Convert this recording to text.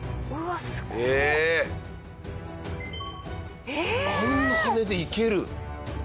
あんな羽でいける？